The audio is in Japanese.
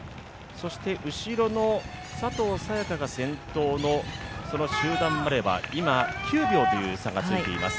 後ろの佐藤早也伽が先頭の集団までは、今、９秒という差がついています。